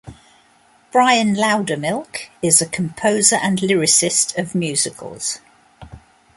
Brian Lowdermilk is a composer and lyricist of musicals.